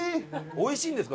美味しいんですか？